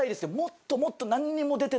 もっともっと。